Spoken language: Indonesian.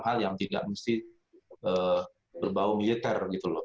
hal yang tidak mesti berbau militer